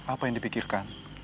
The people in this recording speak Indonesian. apa yang dipikirkan